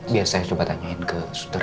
biar saya coba tanyain ke studio